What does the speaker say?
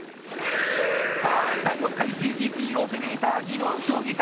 さあ第６回ＤＴＰオペレーター技能競技会。